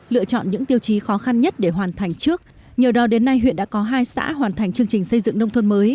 lựa chọn những tiêu chí khó khăn nhất để hoàn thành trước nhờ đó đến nay huyện đã có hai xã hoàn thành chương trình xây dựng nông thôn mới